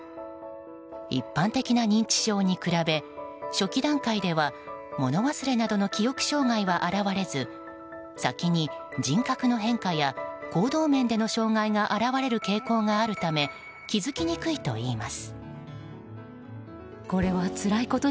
一般的な認知症に比べ初期段階では物忘れなどの記憶障害は表れず先に人格の変化や行動面での障害が現れる傾向があるため気づきにくいといいます。